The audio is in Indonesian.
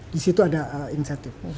di situ ada insetif